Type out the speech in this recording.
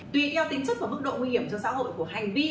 tùy theo tính chất và mức độ nguy hiểm cho xã hội của hành vi